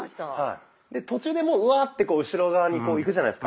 で途中でもううわってこう後ろ側にいくじゃないですか。